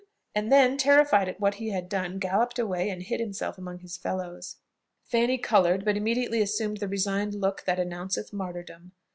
and then, terrified at what he had done, galloped away and hid himself among his fellows. Fanny coloured, but immediately assumed the resigned look that announceth martyrdom.